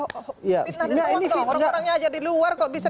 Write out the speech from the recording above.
orang orangnya aja di luar kok bisa ditahan berbulan bulan